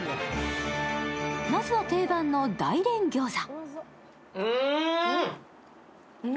まずは定番の大連餃子。